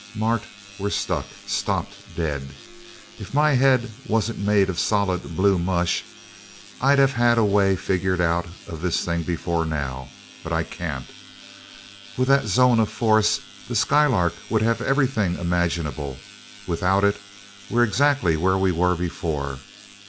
"Mart, we're stuck stopped dead. If my head wasn't made of solid blue mush I'd have had a way figured out of this thing before now, but I can't. With that zone of force the Skylark would have everything imaginable without it, we're exactly where we were before.